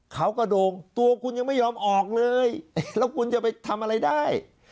เขากระโด่งตัวคุณยังไม่ยอมออกเลยแล้วคุณจะไปทำอะไรได้